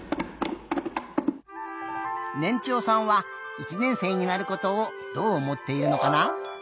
ねんちょうさんは１年生になることをどうおもっているのかな？